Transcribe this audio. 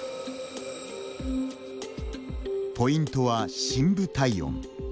ポイントは深部体温。